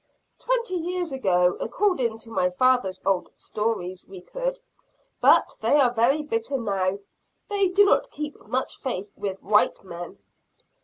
"Twenty years ago, according to my father's old stories, we could; but they are very bitter now they do not keep much faith with white men.